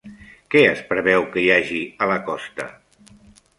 Què es preveu que hi hagi a la costa?